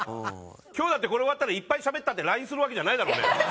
今日だってこれ終わったらいっぱいしゃべったってＬＩＮＥするわけじゃないだろうね。